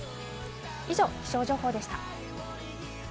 以上、気象予報でした。